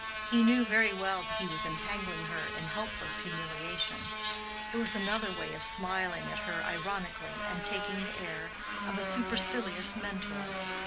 He knew very well that he was entangling her in helpless humiliation: it was another way of smiling at her ironically, and taking the air of a supercilious mentor.